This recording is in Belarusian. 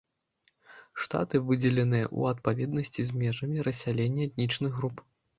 Штаты выдзеленыя ў адпаведнасці з межамі рассялення этнічных груп.